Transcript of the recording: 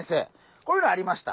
こういうのありました。